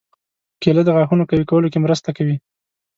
کېله د غاښونو قوي کولو کې مرسته کوي.